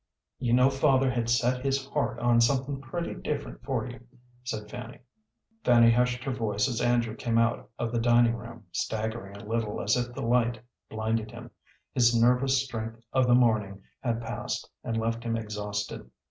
"You know father had set his heart on somethin' pretty different for you," said Fanny. Fanny hushed her voice as Andrew came out of the dining room, staggering a little as if the light blinded him. His nervous strength of the morning had passed and left him exhausted.